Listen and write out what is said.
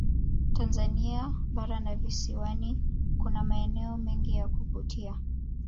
tanzania bara na visiwani kuna maeneo mengi ya kuvutia